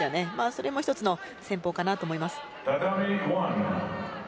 それも一つの戦法だと思います。